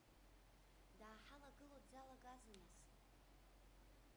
Дааҳалагыло дзалагазеи, нас?